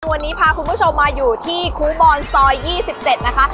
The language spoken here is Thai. วันนี้พาคุณผู้ชมมาอยู่ที่ครูบอนซอยยี่สิบเจ็ดนะคะ